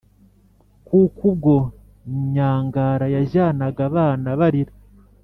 kuko ubwo nyangara yajyanaga abana barira,